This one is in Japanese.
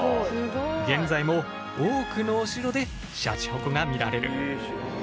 現在も多くのお城でシャチホコが見られる。